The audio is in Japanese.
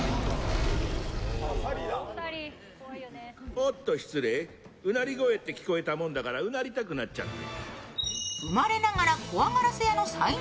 おっと失礼、うなり声って聞こえたもんだからうなりたくなっちゃって。